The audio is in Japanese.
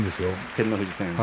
照ノ富士戦。